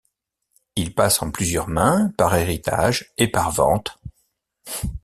Il passe en plusieurs mains par héritage et par vente.